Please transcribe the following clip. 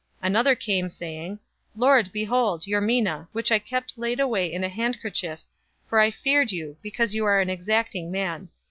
019:020 Another came, saying, 'Lord, behold, your mina, which I kept laid away in a handkerchief, 019:021 for I feared you, because you are an exacting man.